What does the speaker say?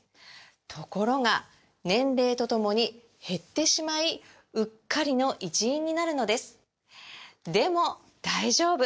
ところが年齢とともに減ってしまいうっかりの一因になるのですでも大丈夫！